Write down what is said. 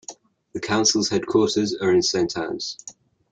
The council's headquarters are in Saint Annes.